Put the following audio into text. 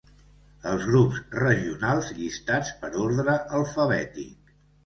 Els grups regionals llistats per ordre alfabètic.